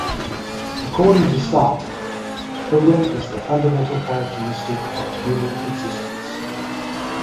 According to Sartre, freedom is the fundamental characteristic of human existence.